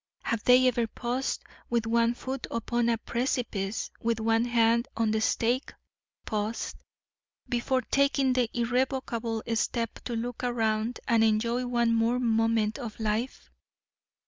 Have they ever paused with one foot upon a precipice, with one hand on the stake paused, before taking the irrevocable step, to look around and enjoy one more moment of life?